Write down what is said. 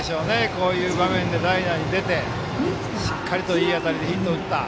こういう場面で代打で出てしっかりといい当たりでヒットを打った。